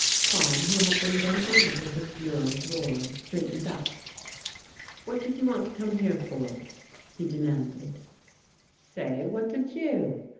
Tom, who had been bending over his bureau drawer, straightened up. "What did you want to come here for?" he demanded. "Say, what did you?"